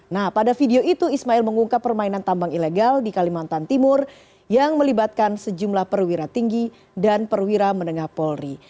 nah pada video itu ismail mengungkap permainan tambang ilegal di kalimantan timur yang melibatkan sejumlah perwira tinggi dan perwira menengah polri